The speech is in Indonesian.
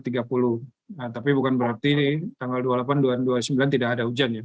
nah tapi bukan berarti tanggal dua puluh delapan dua puluh sembilan tidak ada hujan ya